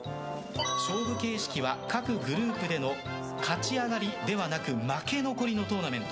勝負形式は、各グループでの勝ち上がりではなく負け残りのトーナメント。